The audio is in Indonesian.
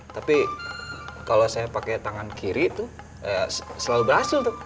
tapi kalau saya pakai tangan kiri tuh selalu berhasil tuh